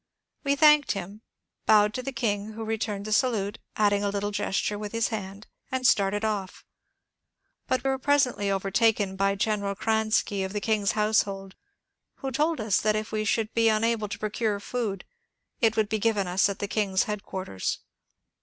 We thanked him, bowed to the King, who returned the salute, adding a little gesture with his hand, and started off; but were presently overtaken by Greneral Kranski of the King's household, who told us that if we should be unable to procure food it would be g^ven us at the King's headquarters.